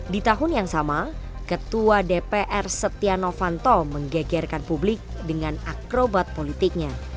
di tahun yang sama ketua dpr setia novanto menggegerkan publik dengan akrobat politiknya